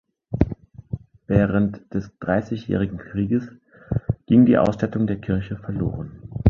Während des Dreißigjährigen Krieges ging die Ausstattung der Kirche verloren.